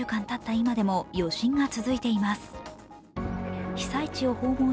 今でも余震が続いています。